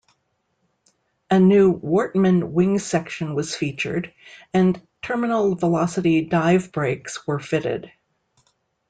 A new Wortmann wing section was featured and terminal velocity dive brakes were fitted.